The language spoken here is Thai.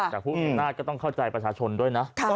แต่ผู้มีอำนาจก็ต้องเข้าใจประชาชนด้วยนะ